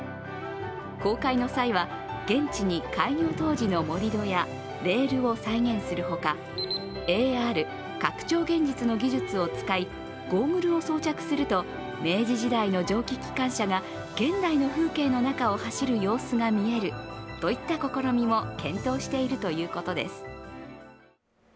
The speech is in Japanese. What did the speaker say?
公開の際は、現地に開業当時の盛り土や、レールを再現するほか、ＡＲ＝拡張現実の技術を使い、ゴーグルを装着すると明治時代の蒸気機関車が現代の風景の中を走る様子が見えるといった試みも検討しているということです。